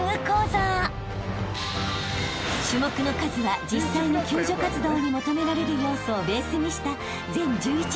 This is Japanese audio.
［種目の数は実際の救助活動に求められる要素をベースにした］